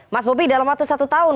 mas bobi dalam waktu satu tahun